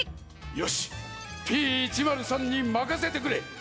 よしＰ１０３にまかせてくれ！